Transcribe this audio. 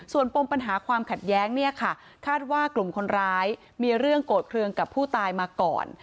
ส่วนปมปัญหาความขัดแย้งเนี่ยค่ะคาดว่ากลุ่มคนร้ายมีเรื่องโกรธเครื่องกับผู้ตายมาก่อน